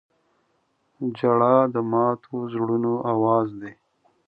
• ژړا د ماتو زړونو اواز دی.